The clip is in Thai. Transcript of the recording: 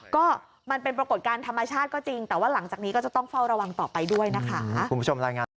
ก็มันเป็นปรากฏการณ์ธรรมชาติก็จริงแต่ว่าหลังจากนี้ก็จะต้องเฝ้าระวังต่อไปด้วยนะคะ